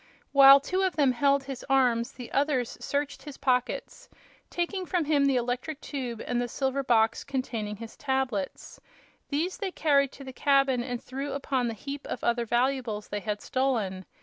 While two of them held his arms the others searched his pockets, taking from him the electric tube and the silver box containing his tablets. These they carried to the cabin and threw upon the heap of other valuables they had stolen.